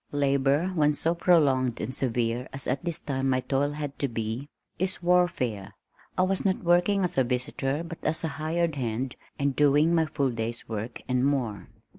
Labor when so prolonged and severe as at this time my toil had to be, is warfare. I was not working as a visitor but as a hired hand, and doing my full day's work and more.